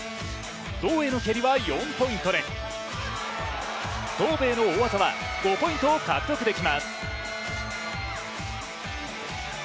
胴への蹴りは４ポイントで、頭部への大技は５ポイントを獲得できます。